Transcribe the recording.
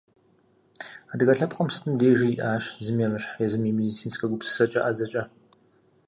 Адыгэ лъэпкъым сытым дежи иӏащ зыми емыщхь езым и медицинскэ гупсысэкӏэ, ӏэзэкӏэ.